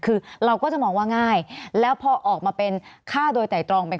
คือเราก็จะมองว่าง่ายแล้วพอออกมาเป็นฆ่าโดยไตรตรองเป็น